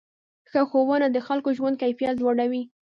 ښه ښوونه د خلکو ژوند کیفیت لوړوي.